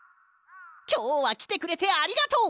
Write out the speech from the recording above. きょうはきてくれてありがとう！